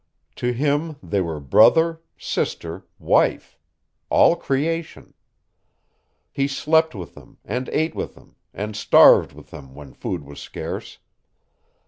To him they were brother, sister, wife all creation. He slept with them, and ate with them, and starved with them when food was scarce.